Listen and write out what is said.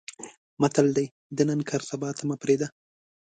متل دی: د نن کار سبا ته مې پرېږده.